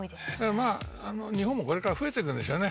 まあ日本もこれから増えてくんでしょうね。